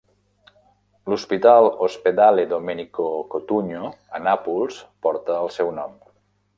L'hospital "Ospedale Domenico Cotugno" a Nàpols porta el seu nom.